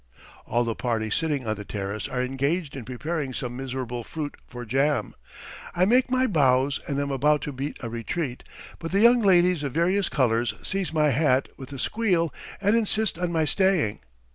All the party sitting on the terrace are engaged in preparing some miserable fruit for jam. I make my bows and am about to beat a retreat, but the young ladies of various colours seize my hat with a squeal and insist on my staying.